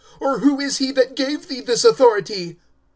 Or who is he that gave thee this authority?